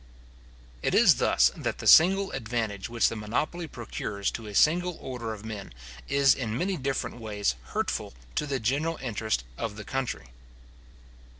It is thus that the single advantage which the monopoly procures to a single order of men, is in many different ways hurtful to the general interest of the country.